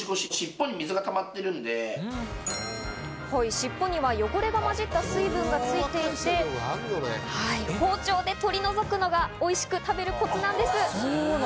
尻尾には汚れが混じった水分がついていて、包丁で取り除くのがおいしく食べるコツなんです。